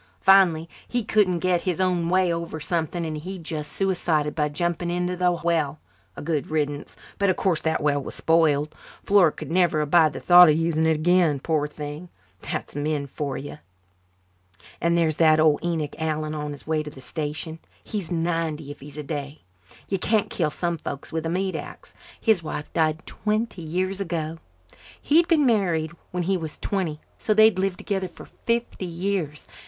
Finally he couldn't get his own way over something and he just suicided by jumping into the well. A good riddance but of course the well was spoiled. Flora could never abide the thought of using it again, poor thing. That's men for you. "And there's that old Enoch Allan on his way to the station. He's ninety if he's a day. You can't kill some folks with a meat axe. His wife died twenty years ago. He'd been married when he was twenty so they'd lived together for fifty years.